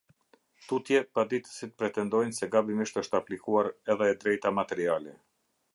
Tutje paditësit pretendojnë se gabimisht është aplikuar edhe e drejta materiale.